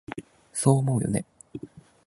そう思うよね？